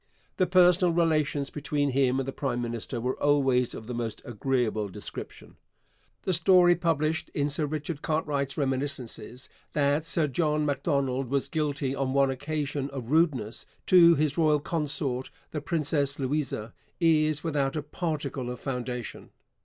The personal relations between him and the prime minister were always of the most agreeable description. The story, published in Sir Richard Cartwright's Reminiscences, that Sir John Macdonald was guilty on one occasion of rudeness to his royal consort the Princess Louise is without a particle of foundation.